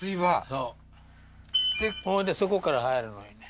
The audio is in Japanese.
そうほんでそこから入るのにね